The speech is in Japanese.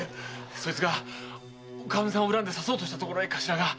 そいつがおかみさんを恨んで刺そうとしたところへ頭が。